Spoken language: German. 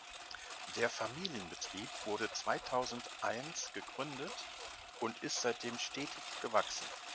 Der Familienbetrieb wurde zweitausendeins gegründet und ist seitdem stetig gewachsen.